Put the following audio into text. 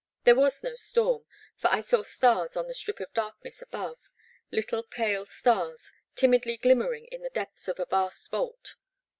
There was no storm, for I saw stars on the strip of darkness above — ^little pale stars, timidly glimmering in the depths of a vast vault.